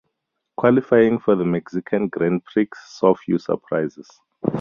Qualifying for the Mexican Grand Prix saw few surprises.